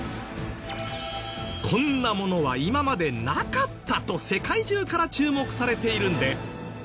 こんなものは今までなかったと世界中から注目されているんです。